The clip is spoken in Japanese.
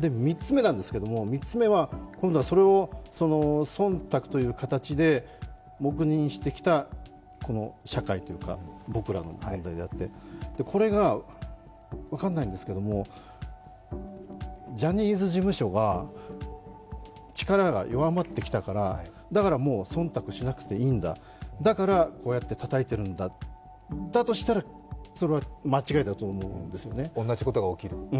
３つ目なんですけど、３つ目は、今度はそれをそんたくという形で黙認してきた社会というか僕らの問題であって、分からないんですけども、ジャニーズ事務所が力が弱まってきたから、だからそんたくしなくていいんだ、だからこうやってたたいているんだだとしたら同じことが起きると？